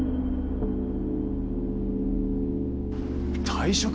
退職！？